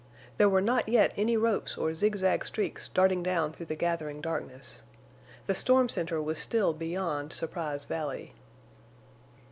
There were not yet any ropes or zigzag streaks darting down through the gathering darkness. The storm center was still beyond Surprise Valley.